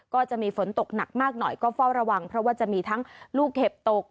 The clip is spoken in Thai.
ก็จะมีฝนตกหนักมากหน่อยก็เฝ้าระวังเพราะว่าจะมีทั้งลูกเห็บตก